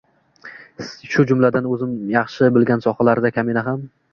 Shu jumladan, o’zim yaxshi bilgan sohalarda, kamina ham